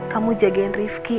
kamu jagain rifqi